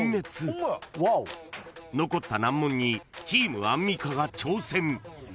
［残った難問にチームアンミカが挑戦］